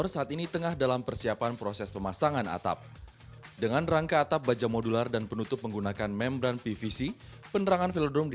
sampai ketemu lagi